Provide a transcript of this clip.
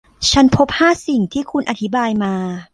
ฉันพบห้าสิ่งที่คุณอธิบายมา